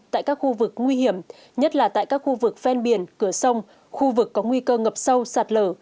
tại các khu vực nguy hiểm nhất là tại các khu vực ven biển cửa sông khu vực có nguy cơ ngập sâu sạt lở